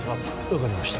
分かりました